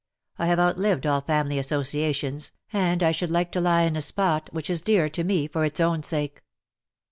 I have outlived all family associations^ and I should like to lie in a spot which is dear to me for its own sake.